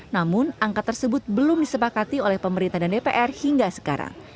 namun angka tersebut belum disepakati oleh pemerintah dan dpr hingga sekarang